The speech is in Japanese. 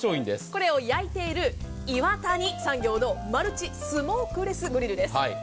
これを焼いている岩谷産業のマルチスモークレスグリルです。